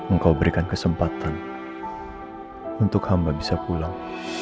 engkau berikan kesempatan untuk hamba bisa pulang